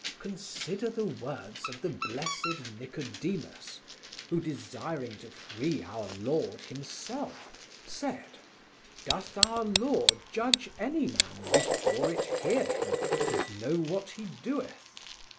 Consider the words of the blessed Nicodemus, who, desiring to free Our Lord Himself, said: 'Doth our law judge any man before it hear him and know what he doeth?